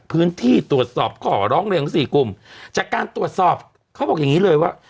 พื้นที่ตรวจสอบขอร้องเรียนทั้งสี่กลุ่มจากการตรวจสอบเขาบอกอย่างงี้เลยว่า